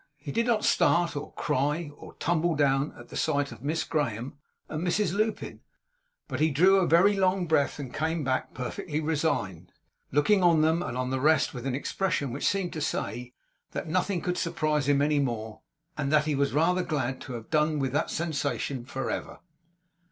He did not start, or cry, or tumble down, at sight of Miss Graham and Mrs Lupin, but he drew a very long breath, and came back perfectly resigned, looking on them and on the rest with an expression which seemed to say that nothing could surprise him any more; and that he was rather glad to have done with that sensation for ever.